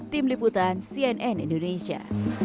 tim liputan cnn indonesia